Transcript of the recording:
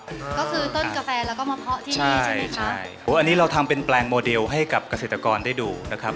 ก็คือต้นกาแฟแล้วก็มาเพาะที่นี่ใช่ใช่โอ้อันนี้เราทำเป็นแปลงโมเดลให้กับเกษตรกรได้ดูนะครับ